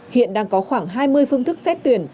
hiện đang có khoảng hai mươi phương thức xét tuyển